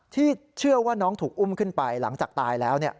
ที่เชื่อว่าน้องถูกอุ้มขึ้นไปหลังจากตายแล้ว